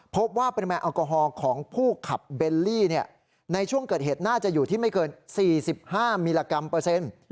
พบว่าปริมาณแอลกอฮอล์ของผู้ขับเบลลี่ในช่วงเกิดเหตุน่าจะอยู่ที่ไม่เกิน๔๕มิลลิกรัมเปอร์เซ็นต์